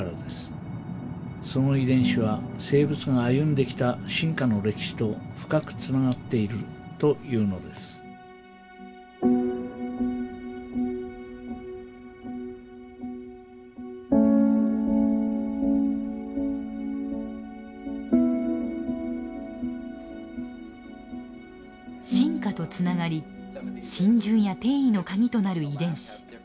その遺伝子は生物が歩んできた進化の歴史と深くつながっているというのです進化とつながり浸潤や転移の鍵となる遺伝子。